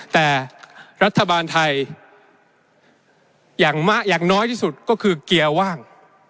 แต่รัฐบาลไทยอย่างมะอย่างน้อยที่สุดก็คือเกียร์ว่าง